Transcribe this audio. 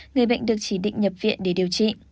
người bệnh được chỉ định nhập viện để điều trị